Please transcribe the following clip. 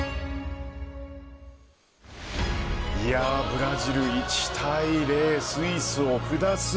ブラジル１対０スイスを下す。